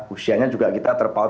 usianya juga kita terpaut